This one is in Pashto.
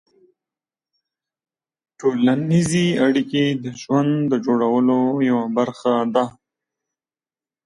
ټولنیز اړیکې د ژوند د جوړولو یوه برخه ده.